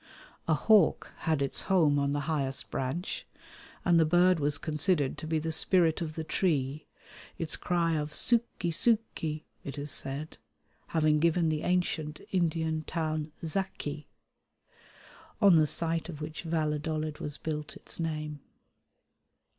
A hawk had its home on the highest branch, and the bird was considered to be the spirit of the tree, its cry of "suki, suki," it is said, having given the ancient Indian town Zaci, on the site of which Valladolid was built, its name.